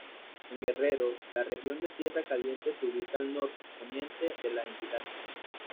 En Guerrero, la región de Tierra Caliente se ubica al nor-poniente de la entidad.